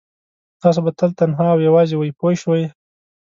تاسو به تل تنها او یوازې وئ پوه شوې!.